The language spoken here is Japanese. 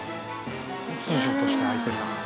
突如として開いてるな。